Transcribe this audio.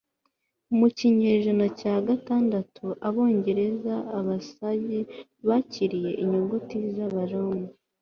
mu kinyejana cya gatandatu, abongereza-abasajya bakiriye inyuguti z'abaroma